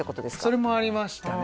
それもありましたね